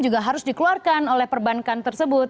juga harus dikeluarkan oleh perbankan tersebut